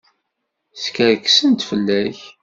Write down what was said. Skerksent fell-ak.